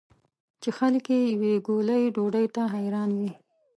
چې خلک یې یوې ګولې ډوډۍ ته حیران وي.